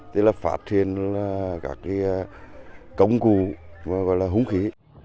thì là phát hiện là các cái công cụ mà gọi là húng khí